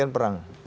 kenapa dia latih